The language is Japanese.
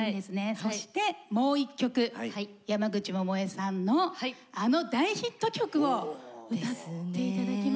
そしてもう一曲山口百恵さんのあの大ヒット曲を歌って頂きますねえ。